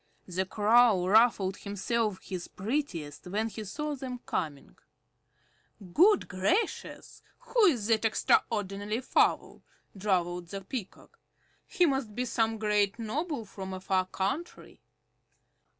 The Crow ruffled himself his prettiest when he saw them coming. "Good gracious! Who is that extraordinary fowl?" drawled the Peacock. "He must be some great noble from a far country."